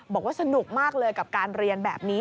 บอกว่าสนุกมากเลยกับการเรียนแบบนี้